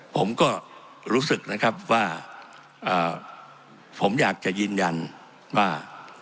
ผมก็รู้สึกนะครับว่าผมอยากจะยืนยันว่า